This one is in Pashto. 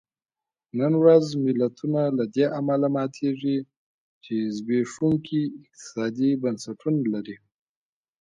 نن ورځ ملتونه له دې امله ماتېږي چې زبېښونکي اقتصادي بنسټونه لري.